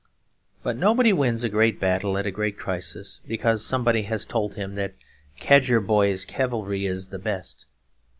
But nobody wins a great battle at a great crisis because somebody has told him that Cadgerboy's Cavalry Is the Best.